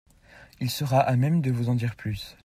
Il sera à même de vous en dire plus.